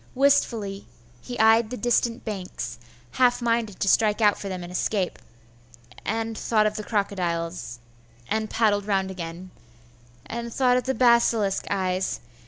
Wistfully be eyed the distant banks, half minded to strike out for them and escape,.... and thought of the crocodiles,.... and paddled round again,.... and thought of the basilisk eyes